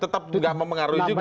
tetap tidak mempengaruhi juga ya